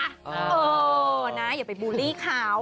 เออนะอย่าไปบูลลี่เขา